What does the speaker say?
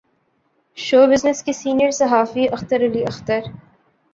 شو business کے senior صحافی اختر علی اختر